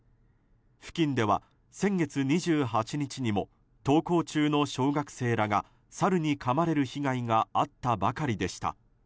付近では先月２８日にも登校中の小学生らがサルにかまれる被害があったばかりでした。